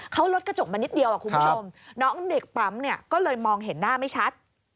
เขาลดกระจกมานิดเดียวคุณผู้ชมน้องเด็กปั๊มเนี่ยก็เลยมองเห็นหน้าไม่ชัด